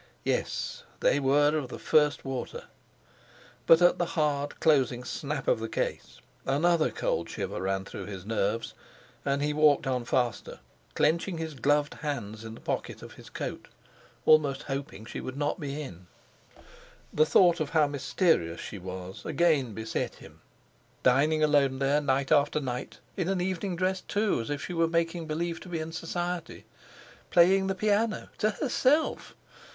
Yes, they were of the first water! But, at the hard closing snap of the case, another cold shiver ran through his nerves; and he walked on faster, clenching his gloved hands in the pockets of his coat, almost hoping she would not be in. The thought of how mysterious she was again beset him. Dining alone there night after night—in an evening dress, too, as if she were making believe to be in society! Playing the piano—to herself!